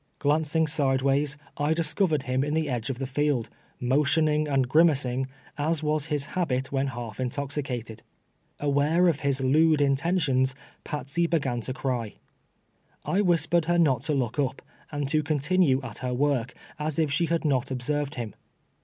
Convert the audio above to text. Glancing sideways, I discovered him in the edge of the field, motioning and grimacing, as was his habit when half intoxicated. Aware of his lewd intentions, Patsey began to cry. I whispered her not to look up, and to continue at her work, as if she had not ob served him.